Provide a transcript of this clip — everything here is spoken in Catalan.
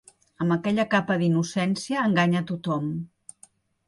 Amb aquella capa d'innocència enganya tothom.